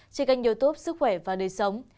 trên kênh youtube sức khỏe và đời sống